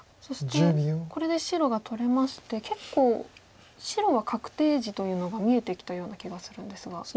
そしてこれで白が取れまして結構白は確定地というのが見えてきたような気がするんですが。